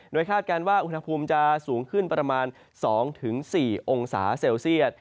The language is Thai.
โดยคาดการณ์ว่าอุณหภูมิจะสูงขึ้นประมาณ๒๔องศาเซลเซียต